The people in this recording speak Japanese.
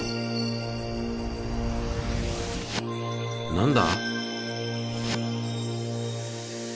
何だ？